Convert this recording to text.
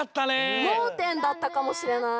もうてんだったかもしれない。